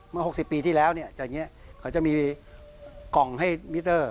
เมื่อ๖๐ปีที่แล้วเขาจะมีกองให้มิเตอร์